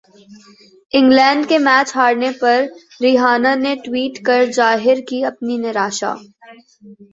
England के match हारने पर रिहाना ने ट्वीट कर जाहिर की अपनी निराशा